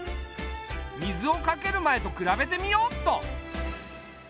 水をかける前と比べてみよっと。